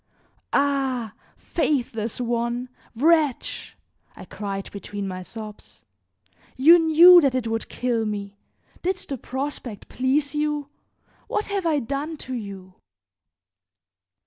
"Ah! faithless one! wretch!" I cried between my sobs, "you knew that it would kill me. Did the prospect please you? What have I done to you?"